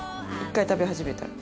１回食べ始めたら。